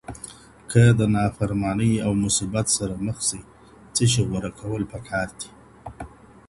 که د نافرمانۍ او مصيبت سره مخ سئ، څه شي غوره کول پکار دي؟